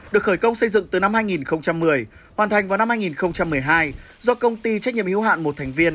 được khởi công xây dựng từ năm hai nghìn một mươi hoàn thành vào năm hai nghìn một mươi hai do công ty trách nhiệm hiếu hạn một thành viên